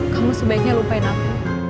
kamu sebaiknya lupain aku